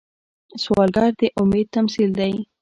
سوالګر د امید تمثیل دی